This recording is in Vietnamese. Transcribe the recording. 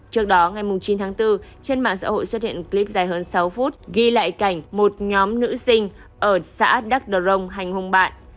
trước đó ngày chín tháng bốn trên mạng xã hội xuất hiện clip dài hơn sáu phút ghi lại cảnh một nhóm nữ sinh ở xã đắk đờ rồng hành hùng bạn